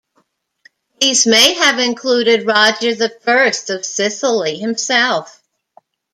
These may have included Roger the First of Sicily, himself.